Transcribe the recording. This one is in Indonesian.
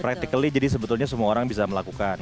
practically jadi sebetulnya semua orang bisa melakukan